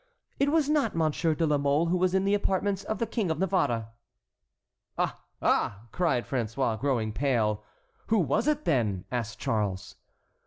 "It was not Monsieur de la Mole who was in the apartments of the King of Navarre." "Ah! ah!" cried François, growing pale. "Who was it, then?" asked Charles.